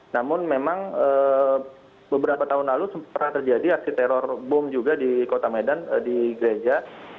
namun memang beberapa tahun lalu pernah terjadi aksi teror bom juga di kota medan di gereja